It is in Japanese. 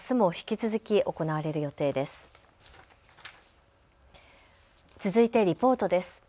続いてリポートです。